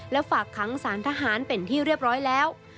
และฝากขังสารทหารเป็นที่เรียบร้อยแล้ว